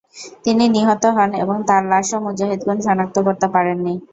তিনি নিহত হন এবং তার লাশও মুজাহিদগণ শনাক্ত করতে পারেননি।